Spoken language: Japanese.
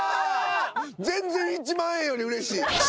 全然１万円よりうれしい。